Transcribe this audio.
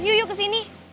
yuk yuk kesini